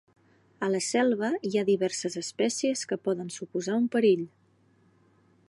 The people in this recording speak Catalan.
A la selva hi ha diverses espècies que poden suposar un perill.